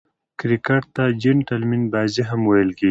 کرکټ ته "جېنټلمن بازي" هم ویل کیږي.